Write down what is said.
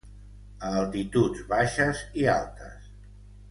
A altituds baixes i altes.